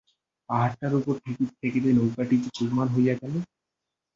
পাহাড়টার উপর ঠেকিতে ঠেকিতে নৌকাটি যে চুরমার হইয়া গেল।